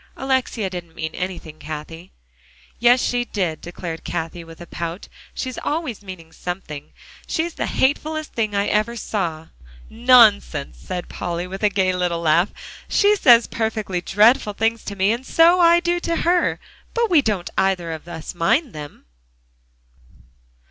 Alexia didn't mean anything, Cathie." "Yes, she did," declared Cathie with a pout; "she's always meaning something. She's the hatefullest thing I ever saw!" "Nonsense!" said Polly, with a gay little laugh. "She says perfectly dreadful things to me, and so I do to her, but we don't either of us mind them."